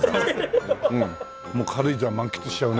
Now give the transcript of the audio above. もう軽井沢満喫しちゃうね。